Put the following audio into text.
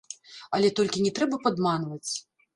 Але толькі не трэба падманваць.